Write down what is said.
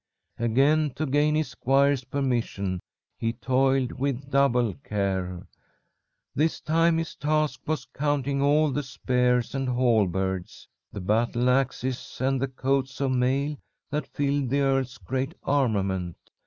"Again to gain his squire's permission he toiled with double care. This time his task was counting all the spears and halberds, the battle axes and the coats of mail that filled the earl's great armament.